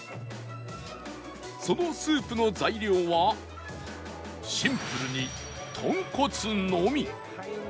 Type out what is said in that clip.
そのスープの材料はシンプルに豚骨のみ